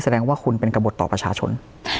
แสดงว่าคุณเป็นกระบดต่อประชาชน